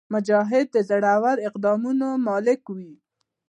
مجاهد د زړور اقدامونو مالک وي.